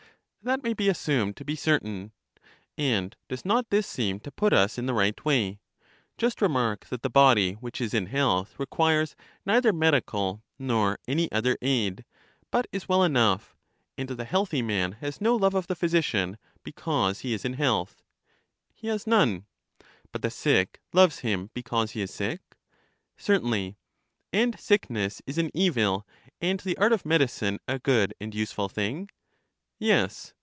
That may be assumed to be certain. And does not this seem to put us in the right way? Just remark, that the body which is in health requires neither medical nor any other aid, but is well enough ; and the healthy man has no love of the physician, be cause he is in health. 70 LYSIS He has none. But the sick loves him, because he is sick? Certainly. And sickness is an evil, and the art of medicine a good and useful thing? Yes.